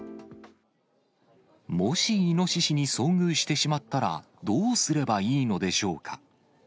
もしイノシシに遭遇してしまったらどうすればいいのでしょうか。